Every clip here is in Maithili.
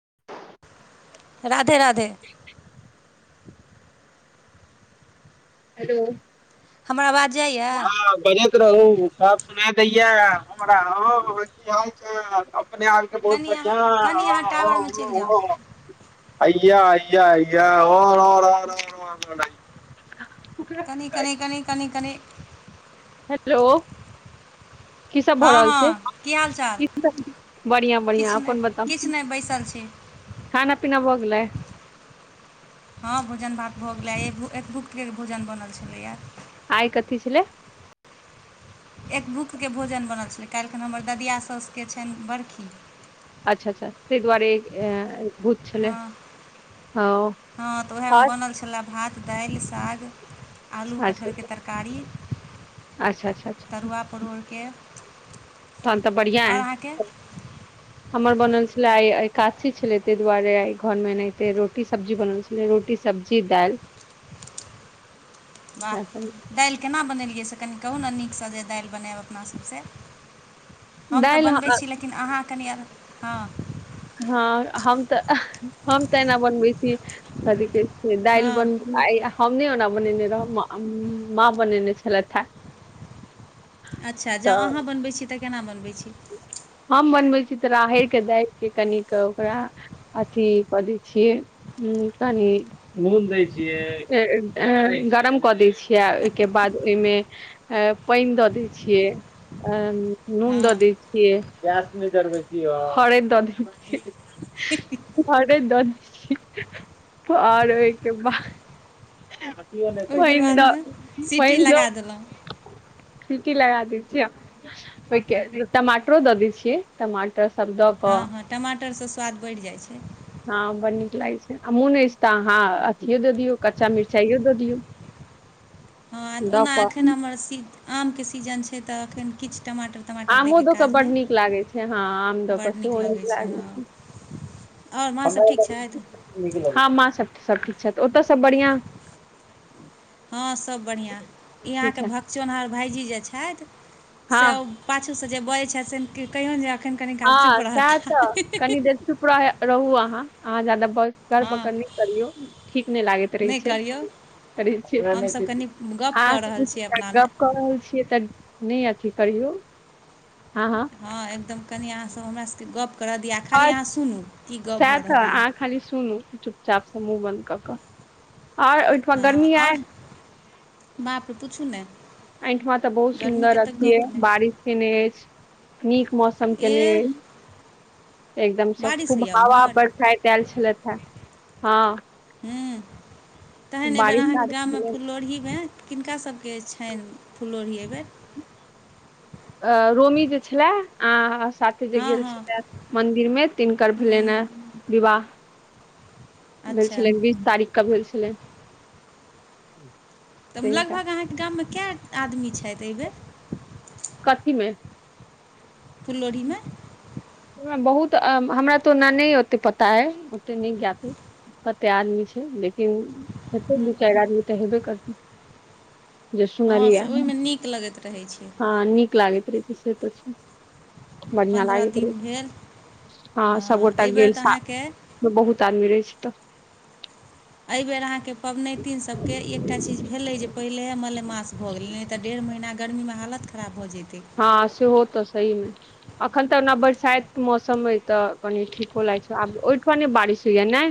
[unintelligible] राधे राधे हेलो हमरा आवाज जाइए हँ बजैत रहू सब सुना दैय हमरा हा की हाल चाल अपने आरके बहुत कनि अहाँ बढ़ियां कनि अहाँ हाँ हाँ टावरमे चलि जाउ हाँ अइया अइया अइया [unintelligible] कनी कनी कनी कनी कनी हेलो कीसब भऽ हँ रहल छै हँ की हाल चाल कीसब बढ़ियाॅं बढ़ियाॅं अपन बताउ छै खाना पीना भगेलै हाँ भोजन भात भऽ गेलै एक भुकके भोजन बनल छलैए आइ कथि छलै एक भूक्तकेँ भोजन बनल छलै काल्हिखन हमर ददिया सासकेँ छैन बड़खी अच्छा अच्छा तहि दुआरे अ हाँ हाँ तऽ उएहमे अच्छा बनल छलए भात दाइल साग आलू अच्छा कटहरकें तरकारी अच्छा अच्छा तरुआ परोरकेँ तन तऽ बढ़ियाॅं ए हमर बनल छलै अए ए एकादशी छलै ताहि दुआरे आइ घरमे एनहिते रोटी सब्जी बनल छलै रोटी सब्जी दाइल [inaudible] वाह दाइल केना बनेलियै से कनी कहू ने नीकस जे दाइल बनायब अपना सबसे हम तऽ दालि बनबै छी लेकिन अहाँ कनि अर हाँ हाँ हम तऽ हम तऽ एना बनबै छी हर से दाल हँ बन हम नहि ओना बनेने रहौ माँ माँ बनेने छलथि हे अच्छा जँ तऽ अहाँ बनबै छी तऽ केना बनबै छी बनबै छी तऽ राहड़ के दाल के कनी क ओकरा अथी कऽ दै छियै गरम कऽ द छिय ओइके बाद पाइन द दैत छियै नून द हँ दैत छियैक हरद ददै छीयै हरद द दैत छीयैक ओहिके पहि बादमे सीटी लगा पहिन्द देलहुँ [unintelligible] खीङकी लगा दैत छियै ओहिके टमाटरो दऽ दैत छियै टमाटर सब दऽ क हाँ हाँ टमाटरसँ स्वाद बढ़ि जाइत छैक हाँ बड्ड नीक लागैत छै मोन अइछ तऽ अहाँ अथियो दऽ दियौ कच्चा मिरचाइओ दऽ दियौ हाँ दऽ ओना कऽ एखन हमर सी आमके सीजन छै तऽ एखन किछ आमो दऽ कऽ बड्ड नीक लागैत छै हाँ आम दऽ बड़ कऽ सेहो लगै नीक छै लागै हँ आओर माँसब ठीक छथि छै [unintelligible] सब ठीक छथऽ ओतयसब बढ़ियाॅं हाँ सब बढ़िआँ ई ठीक अहाँके छै भखचोन्हर भाईजी जे छैथ हँ से ओ पाछूसे जे बजैत छथि से कहियो जा ह सेहे त कनी देर जे चुप रहै रहू अहाँ अहाँ जादा धर हँ पकर नहि करियौ ठीक नहि लागैत रहय नहि छैक करिऔ कर हमसब कनि गप ह कऽ रहल छी अपनामे गप कऽ रहल छियै तऽ [unintelligible] नहि अथी करियौ हँ एकदम कनि अहाँसँ हमरासकेँ गप करऽ दिअ आ खाली अहाँ सुनू कि गप सह भऽ त रहलैए अहाँ खाली सुनू चापसँ मुूँह बन्द क कऽ और ओहिठमा हँ गर्मी आय आओर बाप र पुछू ने एहिठमा तऽ बहुत सुन्दर अथी नहि बारिश केने अछि नीक मौसम केने एह एकदम सब बारिश खूब होइए हवा ओम्हर बरसाइत आयल छलथि हेँ हँ हुँ तहन एहिबेर बारिश अहाँके आयल गाममे छलै। फुललोढ़ी भेल किनका सभके छनि फुलोढ़ए एहि बेर अ रोमी जे छलै अ साथे जे हँ गेल हँ छले मंदिर मे तिनकर भेलनि ह विवाह भेल अच्छा छलै बीस तारीखके भेल छलै तऽ लगभग अहाँके गाममे कए आदमी छथि अयबै कथी मे फलोढ़ीमे बहुत हमरा तऽ ओना नहि ओते पता ह ओते नहि जाते कते आदमी छै लेकिन हेतेक द चार तऽ हेबे करती [inaudible] हँ से ओहिमे नीक लगैत रहैत छै हँ नीक लागैत रहे छै से त छै बढ़ियां पन्द्रह लागैत रहै दिन छै भेल हँ सभगोटा एहिबेर गेल तऽ सा अहाँके बहुत आदमी रहै छै तऽ एहिबर अहाँके पबनैतिन सभकेँ एकटा चीज भेलै जे पहिले मलमास भऽ गेलै नहि तऽ डेढ़ महिना गर्मी में हालत खराब भऽ जाइतै हँ से हो तऽ सहीमे एखन तऽ ओना बरसाइत मौसम अइ तऽ कनि ठीको लागैत छै आब ओहिठमा नहि बारिश होइएा नहि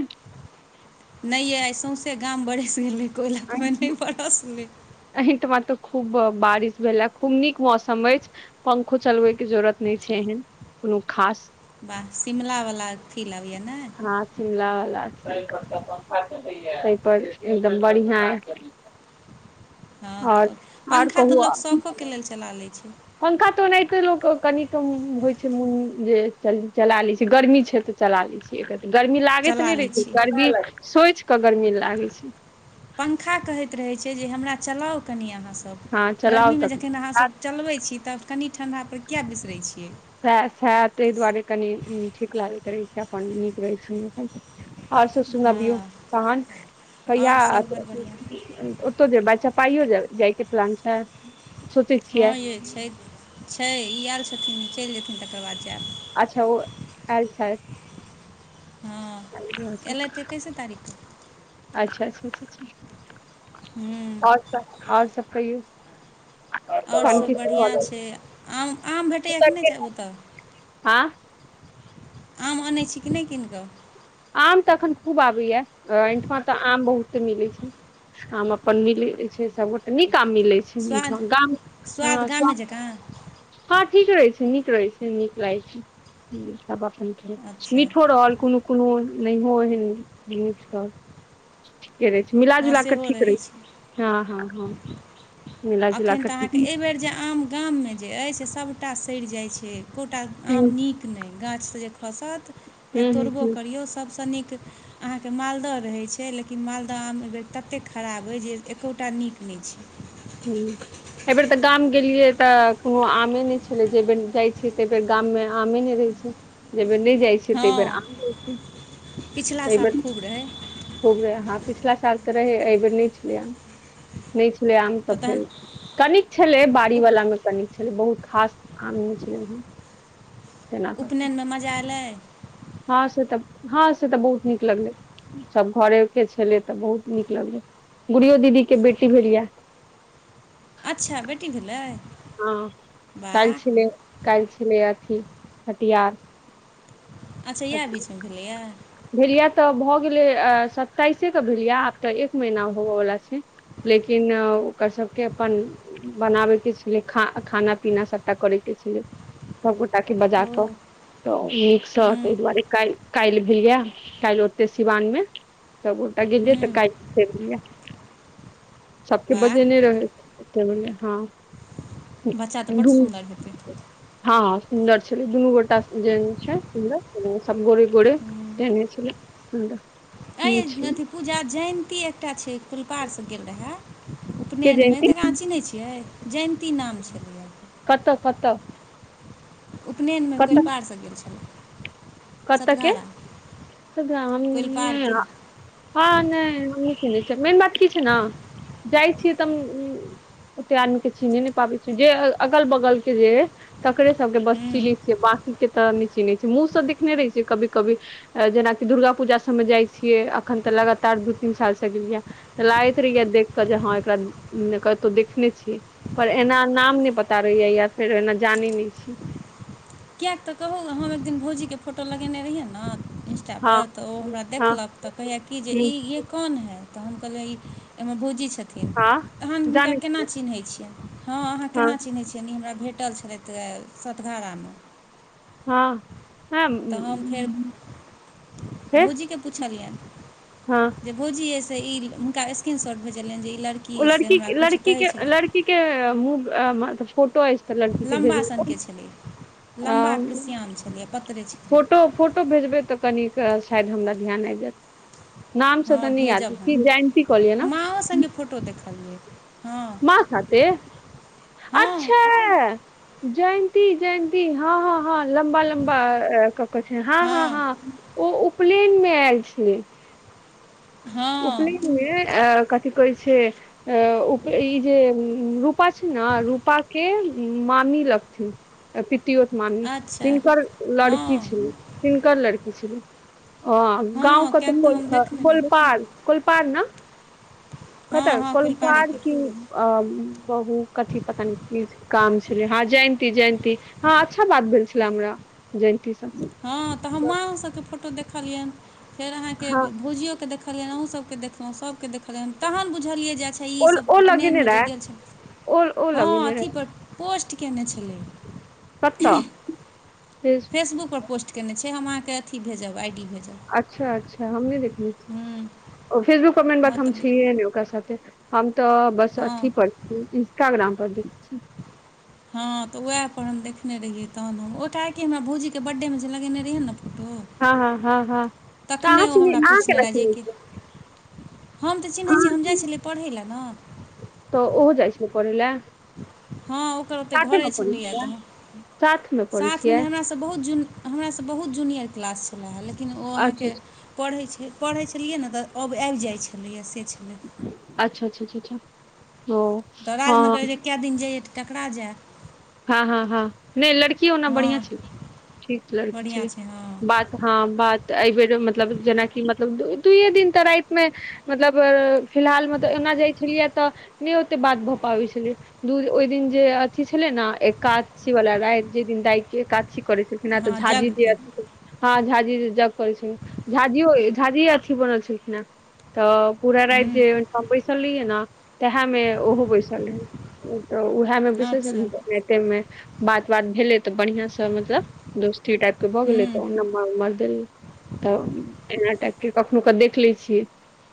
नहि य आइ सौंसे गाम बरस गेलै कोयलकमे नहि बरसलै [unintelligible] एहिठमा तो खूब बारिश भेले खूब नीक मौसम अछि पंखो चलबे के जरूुरत नहि छै एहन कोनो खास वाह शिमलावला फील आबए ने एहिप एकदम बढ़िआँ हँ तऽ पंखा तऽ लोक शौकोके लेल चला लैत छै पंखा तऽ ओनाहिते लोक कनिक होइ छै मोन जे चला लै छै गर्मी छै तऽ च गर्मी लागैत त चला नहि लै रहे छै गर्मी सोच कऽ गर्मी लागै छै च क क अ च [unintelligible] हँ चलाउ तऽ ठंडा कें किया बिसरै छियै सए ताहि दुआरे कनी ठीक लागैत रहै छै अपन नीक रहैत सु आओर सब सुनबियौ हँ तहन कहिया आओर सब बड़ बढ़िआँ ओतौ जे ब पाइयो जा जाइके प्लान छै सोचै हँ छियै यै छै छै ई आएल छथिन ई चलि जेथिन तकर बाद जायब अच्छा ओ आएल छैथ हँ अयलथि एकैसे तारीखके अच्छा अच्छा हूँ आओर सब आओर सब कहियौ आओर तहन की सभ सब भऽ बढ़ियां रहल छै आम आम भेटैए कि नहि छै ओतय हँ आम अनै छी कि नहि कीन कऽ आम तऽ एखन खूब आबैये एहिठमा तऽ आम बहुत मिलैत छै आम अपन मिलै छै सबगोटे नीक आम मिलै छै स्वाद मिठगर गाम स्वाद गामे जकाँ हँ [unintelligible] ठीक रहै छै नीक रहै छै नीक लागैत छै सब अपन खेलौं अच्छा मीठो रहल कोनो सँ नहियो एहन मीठ रहल ठिके रहे छै मिलाजुला कऽ ठीक रहै छै हँ हँ हँ मिला जुला अखैन कऽ तऽ अहाँके हूँ एहिबेर जे आम गाममे जे अछि से सभटा सड़ि जाइ छै एकोटा आम हूँ नीक नहि गाछ खसत या हूँ तोड़बो हूँ करियौ सबसँ नीक अहाँके मालदह रहै छै लेकिन मालदह आम एहिबेर ततेक खराब अइ जे एकोटा नीक नहि छै हुँ एहि बेर तऽ गाम गेलियै तऽ कोनो आमे नहि छलै जै बेर जाइ छियै तै बेर गाम मे आमे नहि रहै छै जै बेर नहि जाइ छै तै बेर आम रहै छै पिछला साल खूब रहै खुब रहै हां पिछला साल तऽ रहै अई बेर नै छलै आम नै छ लै आम तऽ फेर कनिक छलै बाड़ी उप वाला मे कनिक छलै बहुत खास आम नहि छलै ओहन उपनयनमे मजा अएलै हँ से तऽ हँ से तऽ बहुत नीक लगलै सब घरे के छेलै तऽ बहुत नीक लगलै गुुड़ियो दीदी के बेटी भेलिये अच्छा बेटी भेलै हँ काल्हि वाह छलै काल्हि छलै अथी छठिहार अच्छा इएह बीचमे भेलैए भेल या तऽ भऽ गेलै सत्ताइसेके भेल या आब तऽ एक महीना होबयवला छै लेकिन ओकर सबके अपन बनाबे के छेलै खा खाना पीना सभटा करैके छेलै सब गोटाके ओ बजाक त नीकसँ हुँ ताहि दुआरे काल्हि काल्हि भेलै यै काल्हि ओतै सिवानमे सभगोटा गेलियै तऽ हुँ काल्हि भेल यै [unintelligible] [inaudible] सभके वाह बजेने रहै ओतै गुड़िया हँ दुनू बच्चा तऽ हँ बड्ड दू सुन्दर हेतै हँ सुन्दर छलै दुनू गोटा जेहेन छै सुन्दर तेनाही सब गोरे गोरे देने छलै हमरा अइ अथी पूजा जयन्ती एकटा छै फुलपार सँ गेल रहै के उपनयनमे जयन्ती तकरा अहाँ चीन्है छियै जयन्ती नाम छलैए कत कतऽ उपनयनमे कोलपारसँ गेल छलै कतके सतघारा तकरा हम नहि कोइलपारके हम नहि [unintelligible] मेन बात की छै न जाइ छियै तऽ ओते आदमी के चिन्हे नहि पाबै छिये जे अगल बगल के जे ऐ तकरे सब के बस हुँ चिन्है छियै बा कि के तऽ नहि चिन्है छीये मुँह सँ देख खने रहे छियै कभी कभी जेनाकि दुर्गा पूजा सब मे जाय छियै अखन तऽ लगातार दू तीन साल से लागैत रहिया देखक जे हँ एकरा कत्तौ देखने छियै पर एना नाम नै पता रहैया या फेर एना जानै नहि छी किएक तऽ कहू हम एक दिन भौजीके फोटो लगेने रहियै न हँ इंस्टापर तऽ ओ हमरा हँ देखलक तऽ कहैए कि जे ई ये कोन हए तऽ हम कहलियै ई हमर भौजी छथिन हँ तहन हुनका जानै केना छियै चिन्है छिअनि हँ अहाँ हँ केना चिन्हैत छियअनि ई हमरा भेटल छलथि सतघारामे हँ हँ तऽ हम फेर फेर भौजीके हँ पुछलियनि जे भोजियै से ई हुनका स्क्रीन शॉर्ट भेजलियनि जे ई ओ अइ से लड़की हमरा किछु लड़की कहै के छलै लड़की के मुह मत फोटो तऽ लड़की के लम्बा भेजब सनके त छलै आ लम्बा पिरसिआन छलै पतरे छितरे फोटो फोटो भेजबै तऽ कनिक शायद हमरा ध्यान आबि जायत नामसँ हँ तऽनी याद भेजब हम क जयंती कहलियै ने क [inaudible] माँ साथे हँ अच्छा जयंती जयंती हँ हँ हँ लम्बा लम्बा कऽ के छै हँ हँ हँ ओ उपनयन मे आयल छलै हँ उपनयन मे कथी कहै छै उप ई जे रूपा छै ने रूपा के मामी लगथिन प पितियोत मामी अच्छा तिनकर लड़की हँ छलै तिनकर लड़की छलै ह गाँव हँ कथम किएक तऽ बल हम देखने रही कोलपाड़ कोलपाड़ न [unintelligible] कत हँ हँ कोलपाड़ फुलपाड़ेके की अ बहु कथी पता नहि नाम छलै हँ जयंती जयंती हँ अच्छा बात भेल छले हमरा जी हँ तऽ हम माँ सभ के फोटो देखलियनि फेर अहाँ के हँ भोजियो कँ देखलियनि अहूँ सभके देखलहुँ सभके देखलिय तखन बुझलियै जे अच्छा ई ओ सब ओ उपनयन लगेने मे जे रहै गेल छल ओ ओ हँ लगेने अथी रहै पोस्ट कयने छलै कत्तय फेसबुक पर पोस्ट कयने छै हम अहाँके अथी भेजब आइ डी भेजब अच्छा अच्छा हम नहि देख हूँ फेसबुक पर मेन बात हँ हम तऽ छिये ने ओकरा साथे हम तऽ बस अथी हँ पर छी इंस्टाग्राम पर देखय छी हँ तऽ उएहपर हम देखने रहियै तखन हम ओहिठ कि हमरा भौजी के बर्थडेमे जे लगेने रहियै ने फोटो हँ हँ हँ हँ कहा तखने अहाँ ओ हमरा न पूछने केना रहए छै जेकि [unintelligible] हम तऽ चिन्हैत छियै हम जाइ छलियै पढ़ै लेलए ने तऽ ओहो जाइ छै पढे़ला हँ ओकर ओतेक घरे छलियै तऽ साथमे पढ़ै साथ मे छियै नहि हमरा स बहुत जूनियर हमरासँ बहुत जूनियर क्लास छलै ह लेकिन ओ अच्छा अहाँके पढ़ै छै पढ़ै छलियै ने तऽ अब जाइब जाइ छलैया से छलै अचा अच्छा अच्छा ओ हँ केकरा जाय हँ हँ हँ नहि लड़की की ओना हँ बढ़िया छी ठीक लड़की बढ़िआँ छलै छै हँ बात हा बात तऽ एहिबेर मतलब जेनाकि मतलब दुूइए दिन तऽ राति मे मतलब फिलहाल मतलब जाइ छलियै तऽ नहि ओते बात भऽ पाबै छलै द ओहि दिन जे अथी छले ने एका वाला राय जे दिन दाय एकाछिी कर करैछलखिन ए तऽ हँ झाझि यज्ञके द हँ झाझि ज करै छै झा जी बनल छलखिन ने तऽ पूरा हुँ राति जे बैसल रहिये ने तेहा मे ओहो बैसल रहै मे विशेषै अच्छा बात बात भेलै तऽ बढ़िआं से मतलब दोस्ती टाइप के भऽ गेलै हुँ तऽ ओ नम्बर उम्र देलै तब एनाट कखनहु क देख लै छियै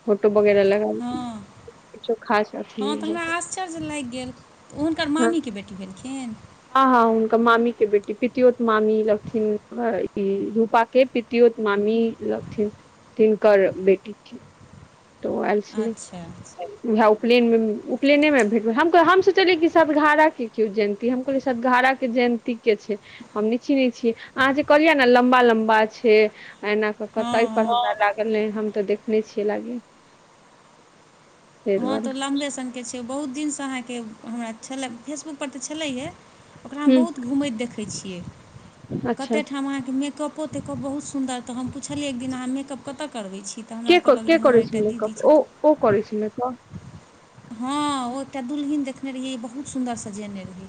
फोटो वगैरह लगा हँ छ खास [unintelligible] हँ तऽ हमरा आश्चर्य लागि गेल तऽ हुनकर मामी के बेटी भेल हँ हँ मामी के बेटी पितियोत मामी लगथिन ई रूपा के पितियोत मामी थि तिनकर बेटी त आयल छल अच्छा प उपनयने मे भेट सोचलियै कि सदघारा के जयंती हम कहल सदघारा के जयंती छी अहाँ जे कहिय ने लम्बा लम्बा छै एना क क हँ पर हँ लागल ने हम तऽ देखने छियै लागी हँ दुआरे तऽ लम्बे सनके छै बहुत दिनसँ अहाँके हमरा छल फेसबुक पर तऽ छलैहे ओकरा हम हूँ बहुत घूमैत देखैत छियै अच्छा कतेक ठाम अहाँके मेकअप तेकअप बहुत सुन्दर तऽ हम पुछलियै एक दिन अहाँ मेकअप कतऽ करबै छी तऽ के हमरा क कहलक के जे हमर करै छै एकटा दीदी मेकअप ओ ओ करै छै मेकअप हाँ ओ एकटा दुल्हिन देखने रहियै बहुत सुन्दर सजेने रहियै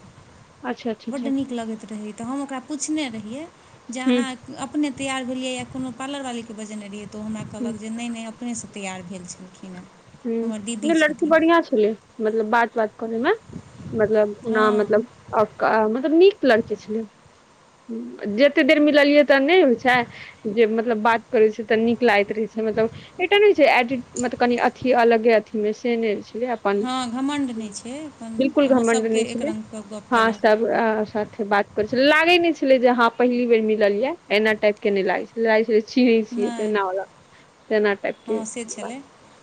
अच्छा अच्छा बड्ड अच्छा नीक लगैत रहै तऽ हम ओकरा पुछने रहियै जे हूँ अहाँ अपने तैयर भेलियै या कोनो पार्लर वालीकेँ बजेने रहियै तऽ ओ हमरा हूँ कहलक जे नहि नहि अपनेसे तैयार भेल छलखिन है ह लड़की बढ़ियाॅं छलै मतलब बात बात करैमे मतलब कोना हँ मतलब मतलब नीक लड़की छलै जते देर मिललियै तऽ नहि होइत छै जे मतलब बात करैत छै तऽ नीक लागैत रहै छै मतलब एकटा ने छै एटी मतलब कनि अथी अलगे अथी मे से ने छै हँ घमण्ड नहि छै अपन बिल्कुल अहाँ घमंड नहि सबके एक छल रङ्गके गप हाँ केलहुँ सब बात करे छल लागे ने छले जे ह पहिली बेर मिललियै या एना टाइप के लागे छल लागे छल छी नहि हँ से छलै [unintelligible]